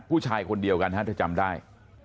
ผู้ชายคนเดียวกันฮะถ้าจำได้